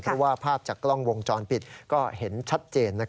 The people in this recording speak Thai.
เพราะว่าภาพจากกล้องวงจรปิดก็เห็นชัดเจน